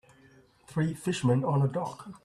Three fisherman on a dock